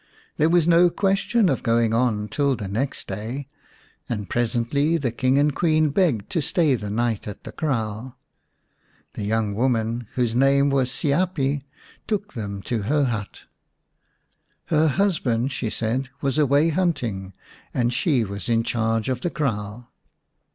There was no question of going on till the next day, and presently the King and Queen begged to stay the night at the kraal. The young woman, whose name was Siapi, took them to her hut. Her husband, she said, was away hunting and she was in charge of the kraal.